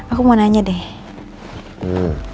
aku mau nanya deh